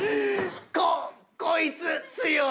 ここいつ強い。